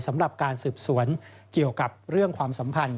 สำหรับการสืบสวนเกี่ยวกับเรื่องความสัมพันธ์